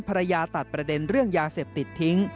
ตัดประเด็นเรื่องยาเสพติดทิ้ง